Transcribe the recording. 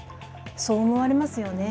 そう思われますよね。